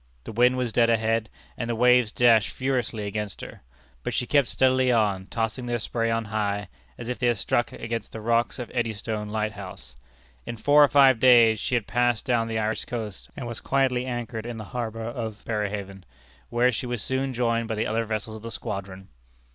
The wind was dead ahead, and the waves dashed furiously against her; but she kept steadily on, tossing their spray on high, as if they had struck against the rocks of Eddystone lighthouse. In four or five days she had passed down the Irish coast, and was quietly anchored in the harbor at Berehaven, where she was soon joined by the other vessels of the squadron.